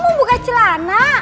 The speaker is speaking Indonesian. abang mau buka celana